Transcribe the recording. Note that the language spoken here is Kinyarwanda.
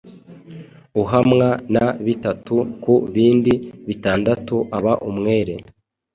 ahamwa na bitatu, ku bindi bitandatu aba umwere